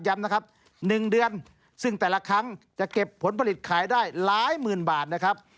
นะครับ๑เดือนซึ่งแต่ละครั้งจะเก็บผลผลิตขายได้หลายหมื่นบาทนะครับ